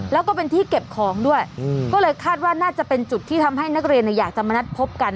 แล้วก็เป็นที่เก็บของด้วยก็เลยคาดว่าน่าจะเป็นจุดที่ทำให้นักเรียนอยากจะมานัดพบกัน